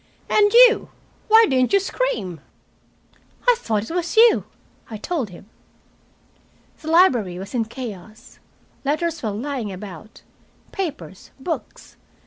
And you why didn't you scream?" "I thought it was you," I told him. The library was in chaos. Letters were lying about, papers, books.